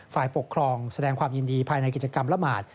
ฝ่ายปกครองแสดงความยินดีภายในกิจกรรมละหมาด